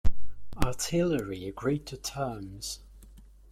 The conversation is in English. Artillery agreed to terms.